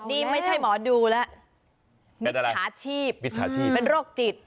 นี่ไม่ใช่หมอดูแล้วเป็นมิจฉาชีพมิจฉาชีพเป็นโรคจิต